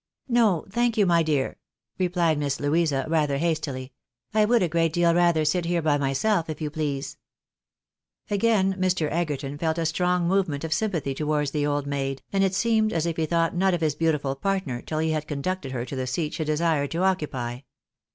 "No, thank you, my dear," replied Miss Louisa, rather hastily. " I would a great deal rather sit here by myself, if you please." Again Mr. Egerton felt a strong movement of sympathy to wards the old maid, and it seemed as if he thought not of his 108 THE BAENABYS IN AMERICA. beautiful partner till lie had conducted her to the seat she desired to occupy.